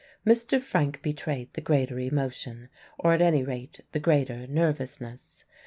Mr. Frank betrayed the greater emotion, or at any rate the greater nervousness.